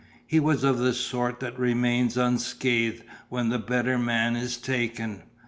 He was of the sort that remains unscathed when the better man is taken.